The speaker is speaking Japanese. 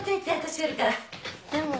でも。